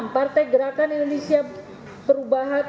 partai gerakan indonesia perubahan